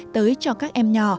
tới cho các em nhỏ